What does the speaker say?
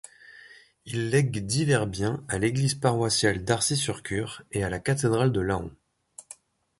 Il lègue divers biens à l'église paroissiale d'Arcy-sur-Cure et à la cathédrale de Laon.